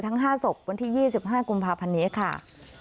๕ศพวันที่๒๕กุมภาพันธ์นี้ค่ะ